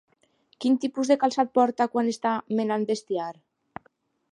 Quin tipus de calçat porta quan està menant bestiar?